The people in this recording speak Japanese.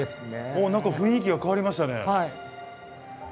お何か雰囲気が変わりましたね。